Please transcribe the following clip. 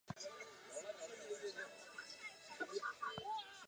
党主席为为当然中央执行委员及常务执行委员。